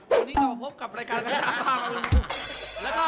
วันนี้เราพบกับรายการขชาพาบาลบู